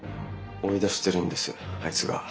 追い出してるんですあいつが。